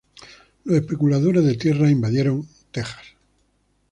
Los especuladores de tierras invadieron a Texas.